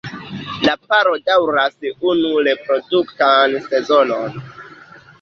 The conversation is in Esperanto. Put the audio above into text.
La paro daŭras unu reproduktan sezonon.